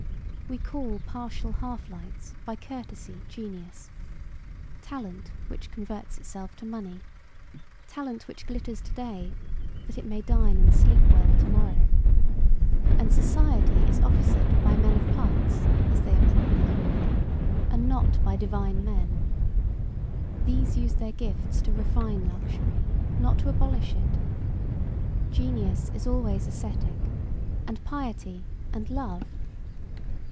We call partial half lights, by courtesy, genius; talent which converts itself to money; talent which glitters to day that it may dine and sleep well to morrow; and society is officered by men of parts, as they are properly called, and not by divine men. These use their gifts to refine luxury, not to abolish it. Genius is always ascetic, and piety, and love.